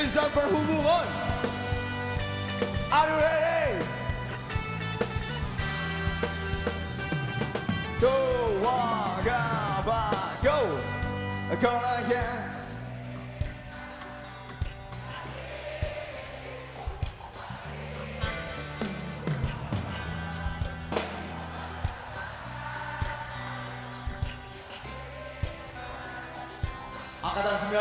semua yang dia berasa